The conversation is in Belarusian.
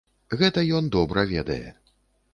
Гэта ён добра ведае.